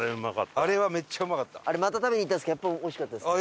あれまた食べに行ったんですけどやっぱおいしかったですね。